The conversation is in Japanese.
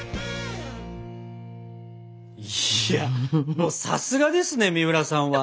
いやもうさすがですねみうらさんは。